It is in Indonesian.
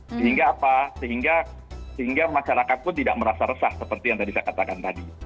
sehingga apa sehingga masyarakat pun tidak merasa resah seperti yang tadi saya katakan tadi